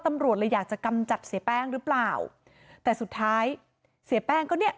ตำรวจเลยอยากจะกำจัดเสียแป้งหรือเปล่าแต่สุดท้ายเสียแป้งก็เนี่ย